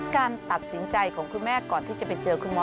การตัดสินใจของคุณแม่ก่อนที่จะไปเจอคุณหมอ